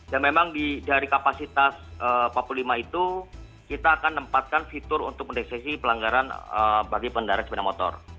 dan memang dari kapasitas empat puluh lima itu kita akan nempatkan fitur untuk mendeksesi pelanggaran bagi pengendara sepeda motor